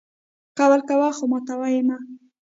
قول کوه خو ماتوه یې مه!